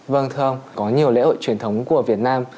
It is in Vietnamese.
vâng thưa ông có nhiều lễ hội truyền thống của việt nam